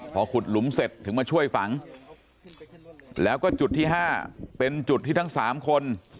พอขุดหลุมเสร็จถึงมาช่วยฝังแล้วก็จุดที่๕เป็นจุดที่ทั้ง๓คน